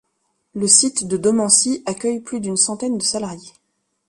Le site de Domancy accueille plus d'une centaine de salarié.